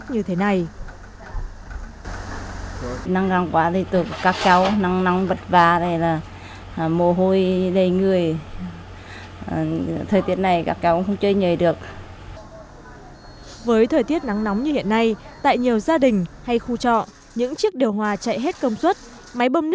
cây nắng nóng càng khiến công việc của họ trở nên vất vả to cho cuộc sống của gia đình